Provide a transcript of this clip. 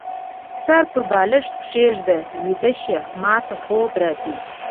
سر په بالښت کيږده ، ويده شه ، ماته خوب راځي